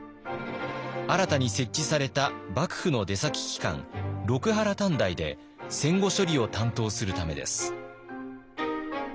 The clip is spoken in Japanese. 新たに設置された幕府の出先機関六波羅探題で戦後処理を担当するためです。